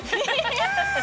ハハハハハ！